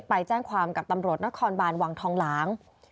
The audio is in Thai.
ไปแจ้งความกับตำรวจนครบานวังทองหลาง